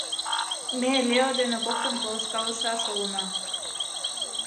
Ме Лео ден коктын полышкалышаш улына.